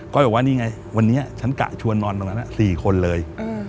บอกว่านี่ไงวันนี้ฉันกะชวนนอนตรงนั้น๔คนเลย